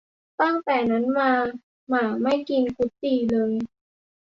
ตั้งแต่นั้นมาหมาไม่กินกุดจี่เลย